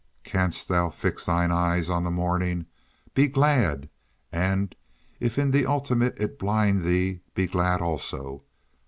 Canst thou fix thine eye on the morning? Be glad. And if in the ultimate it blind thee, be glad also!